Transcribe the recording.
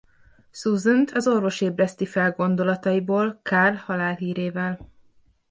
Susant az orvos ébreszti fel gondolataiból Karl halálhírével.